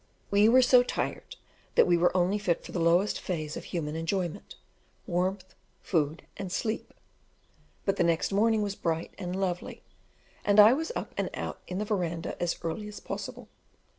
We were so tired that we were only fit for the lowest phase of human enjoyment warmth, food, and sleep; but the next morning was bright and lovely, and I was up and out in the verandah as early as possible.